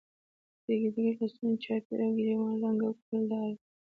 د ډیګرې لستوڼو چاپېره او ګرېوان رنګه او ګلدار وي.